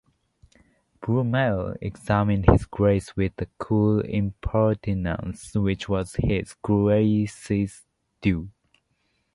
Brummell examined his Grace with the cool impertinence which was his Grace's due.